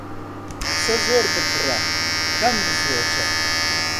قسە زۆر بکڕە، کەم بفرۆشە.